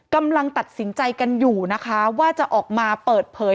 กำลังตัดสินใจกันอยู่นะคะว่าจะออกมาเปิดเผย